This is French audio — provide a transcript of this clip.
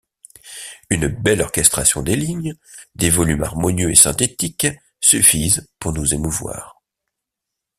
Une belle orchestration des lignes, des volumes harmonieux et synthétiques suffisent pour nous émouvoir.